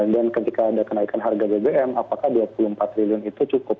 dan ketika ada kenaikan harga bbm apakah dua puluh empat triliun itu cukup